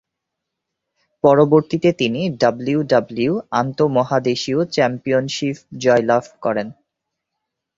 পরবর্তীতে তিনি ডাব্লিউডাব্লিউই আন্তঃমহাদেশীয় চ্যাম্পিয়নশিপ জয়লাভ করেন।